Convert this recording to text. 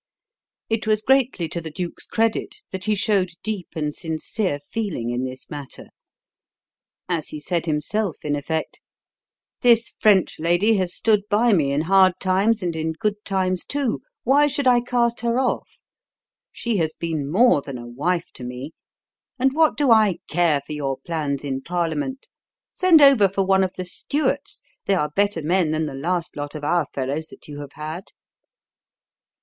It was greatly to the Duke's credit that he showed deep and sincere feeling in this matter. As he said himself in effect: "This French lady has stood by me in hard times and in good times, too why should I cast her off? She has been more than a wife to me. And what do I care for your plans in Parliament? Send over for one of the Stuarts they are better men than the last lot of our fellows that you have had!"